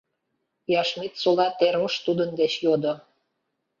— Яшметсола Терош тудын деч йодо.